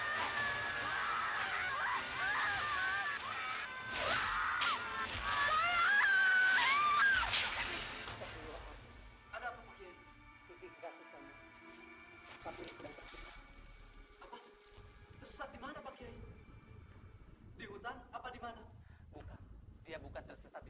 pak yai saya masih berjaga pak yai